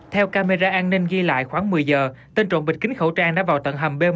theo camera an ninh ghi lại khoảng một mươi giờ tên trộm bịch kính khẩu trang đã vào tầng hầm b một